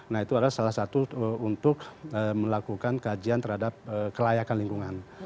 nah itu adalah salah satu untuk melakukan kajian terhadap kelayakan lingkungan